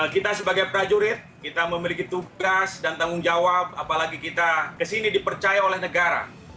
kita sebagai prajurit kita memiliki tugas dan tanggung jawab apalagi kita kesini dipercaya oleh negara